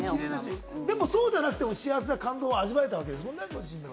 そうでなくても幸せな感動を味わえたわけですもんね。